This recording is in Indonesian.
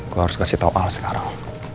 gue harus kasih tau al sekarang